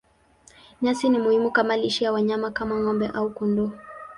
Nyasi ni muhimu kama lishe ya wanyama kama ng'ombe au kondoo.